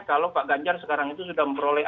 kalau pak ganjar sekarang itu sudah memperoleh